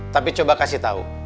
tapi coba kasih tau